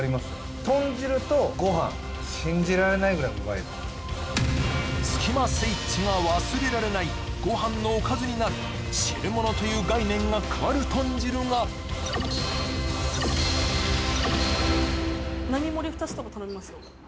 いよいよスキマスイッチが忘れられないご飯のおかずになる汁物という概念が変わるとん汁が並盛り２つとか頼みますよ